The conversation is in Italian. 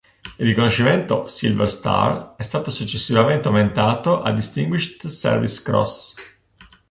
Il riconoscimento "Silver Star" è stato successivamente aumentato a Distinguished Service Cross.